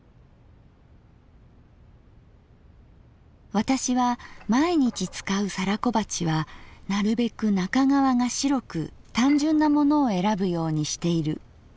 「私は毎日使う皿小鉢はなるべく中側が白く単純なものをえらぶようにしている。